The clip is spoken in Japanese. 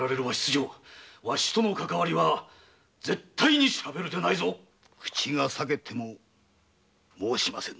わしとのかかわりは絶対にしゃべるでないぞ口が裂けても申しませぬ。